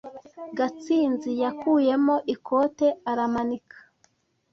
Gatsinzi yakuyemo ikote aramanika.